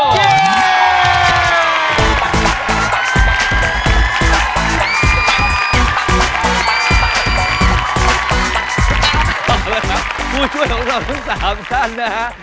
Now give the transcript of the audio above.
เอาละครับผู้ช่วยของเราทั้ง๓ท่านนะฮะ